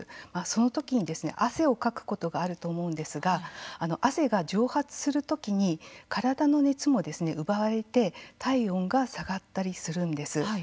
そのときに汗をかくことがあると思うんですが、汗が蒸発するときに体の熱も奪われて体温が下がったりするんです。